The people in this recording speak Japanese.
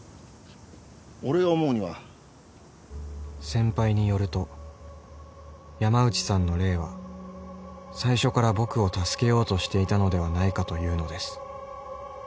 ［先輩によると山内さんの霊は最初から僕を助けようとしていたのではないかというのです］